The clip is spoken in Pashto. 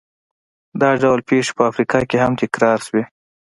دا ډول پېښې په افریقا کې هم تکرار شوې.